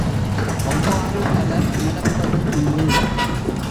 அவ்வாறு பலர் நடப்பது உண்டு.